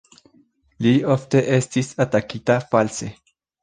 Li ofte estis atakita false.